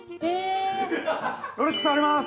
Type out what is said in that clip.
ロレックスあります！